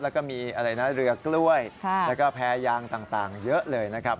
แล้วก็มีอะไรนะเรือกล้วยแล้วก็แพรยางต่างเยอะเลยนะครับ